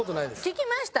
聞きました？